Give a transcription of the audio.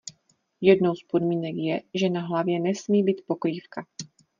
Jednou z podmínek je, že na hlavě nesmí být pokrývka.